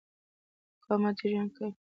مقاومت جریان کموي.